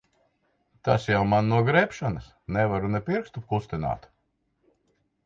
Tas jau man no grebšanas. Nevaru ne pirkstu kustināt.